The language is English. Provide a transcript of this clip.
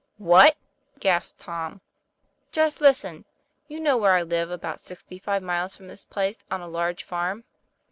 " What ?" gasped Tom. " Just listen. You know where I live, about sixty five miles from this place, on a large farm.